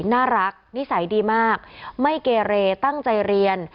น่ารักนิสัยดีมากไม่เกเรตั้งใจเรียน